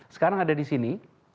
sekarang ada di sini